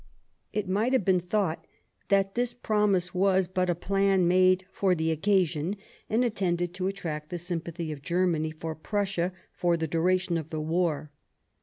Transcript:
It might have been thought that this promise was. but a plan made for the occasion, and intended to attract the sympathy of Germany for Prussia for the duration of the war.